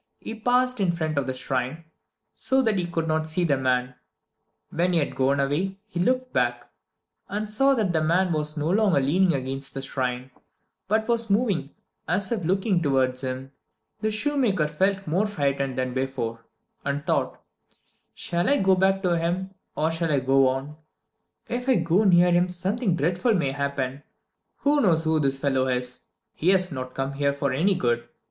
He passed in front of the shrine so that he could not see the man. When he had gone some way, he looked back, and saw that the man was no longer leaning against the shrine, but was moving as if looking towards him. The shoemaker felt more frightened than before, and thought, "Shall I go back to him, or shall I go on? If I go near him something dreadful may happen. Who knows who the fellow is? He has not come here for any good.